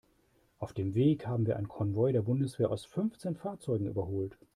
Auf dem Weg haben wir einen Konvoi der Bundeswehr aus fünfzehn Fahrzeugen überholt.